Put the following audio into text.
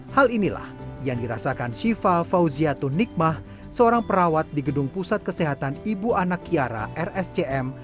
hal inilah yang dirasakan syifa fauziatun nikmah seorang perawat di gedung pusat kesehatan ibu anak kiara rscm